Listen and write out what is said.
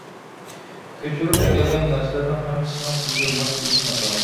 كۆچۈرۈپ ئەكەلگەن نەرسىلەرنىڭ ھەممىسىنىڭ سىزگە ماس كېلىشى ناتايىن.